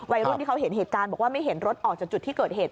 วัยรุ่นที่เขาเห็นเหตุการณ์บอกว่าไม่เห็นรถออกจากจุดที่เกิดเหตุ